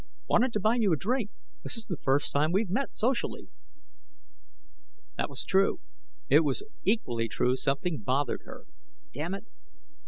"Wanted to buy you a drink. This is the first time we've met socially." That was true; it was equally true something bothered her. Damn it!